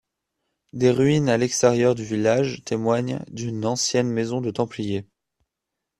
Des ruines à l'extérieur du village témoignent d'une ancienne maison de Templiers.